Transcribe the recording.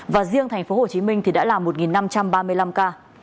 và riêng tp hcm thì đã là một năm trăm ba mươi năm ca